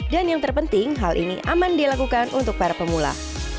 dan yang terpenting hal ini aman dilakukan untuk para pemula